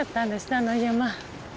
あの山。